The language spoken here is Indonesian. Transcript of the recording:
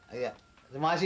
iya terima kasih ya